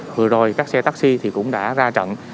vừa rồi các xe taxi cũng đã ra trận